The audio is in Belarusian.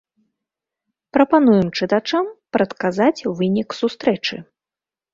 Прапануем чытачам прадказаць вынік сустрэчы.